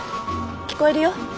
聞こえるよ。